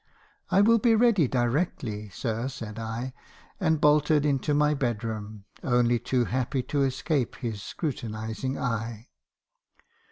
'I will be ready directly, sir,' said I; and bolted into my bedroom, only too happy to escape his scrutinising eye.